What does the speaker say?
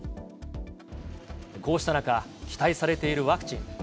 こうした中、期待されているワクチン。